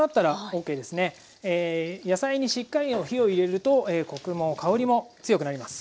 野菜にしっかり火を入れるとコクも香りも強くなります。